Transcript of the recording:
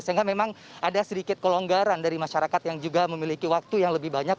sehingga memang ada sedikit kelonggaran dari masyarakat yang juga memiliki waktu yang lebih banyak